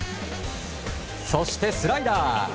そしてスライダー。